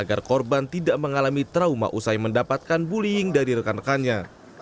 agar korban tidak mengalami trauma usai mendapatkan bullying dari rekan rekannya